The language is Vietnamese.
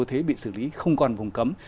thế bị xử lý không còn vùng cấm